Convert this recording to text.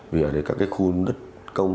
vì ở đấy các cái khu đất công